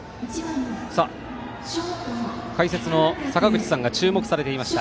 解説の坂口さんが注目されていました